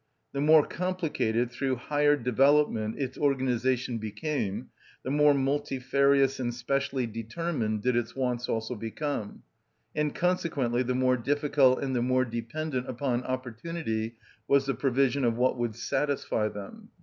The more complicated, through higher development, its organisation became, the more multifarious and specially determined did its wants also become, and consequently the more difficult and the more dependent upon opportunity was the provision of what would satisfy them.